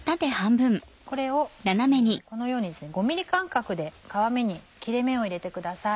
これをこのように５ｍｍ間隔で皮目に切れ目を入れてください。